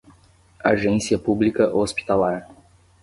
Agência pública hospitalar